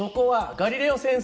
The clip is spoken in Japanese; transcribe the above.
ガリレオ先生！